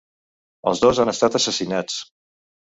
Els dos han estat assassinats.